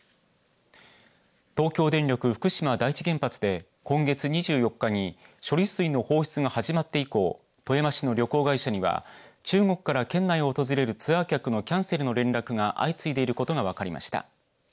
東京電力福島第一原発で今月２４日に処理水の放出が始まって以降富山市の旅行会社には中国から県内を訪れるツアー客のキャンセルの連絡が相次いでいることが分かりました。